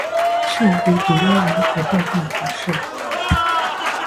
圣迪迪耶人口变化图示